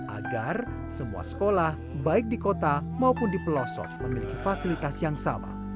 agar semua sekolah baik di kota maupun di pelosok memiliki fasilitas yang sama